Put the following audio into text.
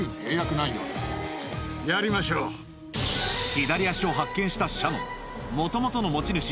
左足を発見したシャノンもともとの持ち主